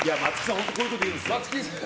本当こういうこと言うんですよ。